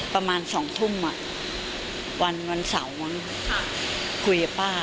ประมาณสองทุ่มอ่ะวันวันเสาร์วันนั้นคุยกับป้า